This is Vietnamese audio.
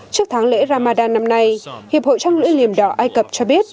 trước tháng lễ ramadan năm nay hiệp hội trang lưỡi liềm đỏ ai cập cho biết